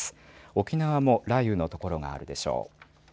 沖縄も雷雨の所があるでしょう。